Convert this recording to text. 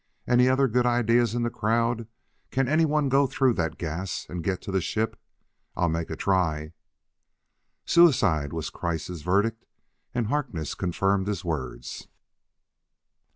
"Any other good ideas in the crowd? Can anyone go through that gas and get to the ship? I'll make a try." "Suicide!" was Kreiss' verdict, and Harkness confirmed his words.